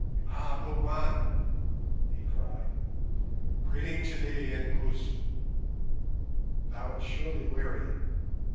"Ah, Bougwan," he cried, "greeting to thee, Inkoos! Thou art surely weary.